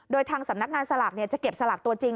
โดยทางสำนักงานสลากจะเก็บสลากตัวจริง